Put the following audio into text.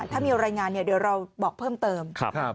ถ้ามีรายงานเดี๋ยวเราบอกเพิ่มเติม